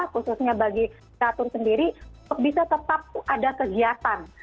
khususnya bagi catur sendiri bisa tetap ada kegiatan